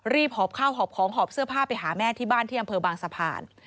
หอบข้าวหอบของหอบเสื้อผ้าไปหาแม่ที่บ้านที่อำเภอบางสะพาน